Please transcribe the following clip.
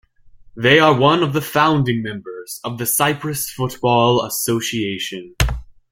They are one of the founding members of the Cyprus Football Association.